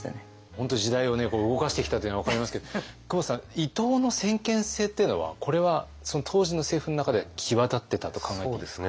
本当時代を動かしてきたというのが分かりますけど久保田さん伊藤の先見性っていうのはこれは当時の政府の中で際立ってたと考えていいですか。